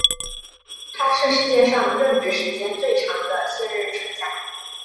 他是世界上任职时间最长的现任首相。